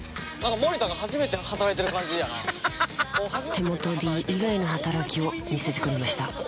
手元Ｄ以外の働きを見せてくれました